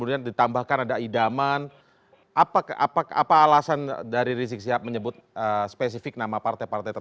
untuk mengganti khususnya presiden jokowi melalui pemilu